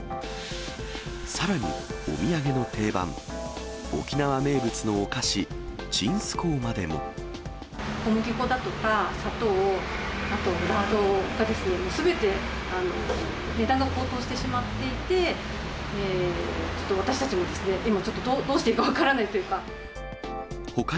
さらに、お土産の定番、沖縄名物小麦粉だとか砂糖、あとラード、すべて値段が高騰してしまっていて、ちょっと私たちも、今ちょっとどうしていいか分からないというか。